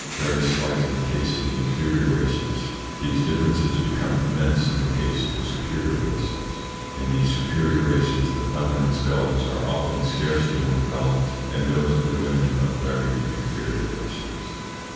Very slight in the case of the inferior races, these differ ITS INFLUENCE ON THEIR EVOLUTION 49 ences become immense in the case of the superior races. In these superior races the feminine skulls are often scarcely more developed than those of the women of very inferior races.